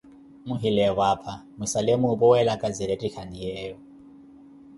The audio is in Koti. Mwihileevo apa, mwisale muupuwelaka siiretikhaniyeyo.